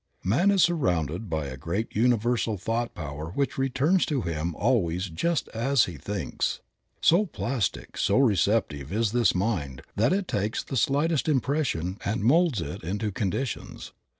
A/TAN is surrounded by a great universal thought power which returns to him always just as he thinks. So plastic, so receptive is this mind, that it takes the slightest impression and moulds it into conditions.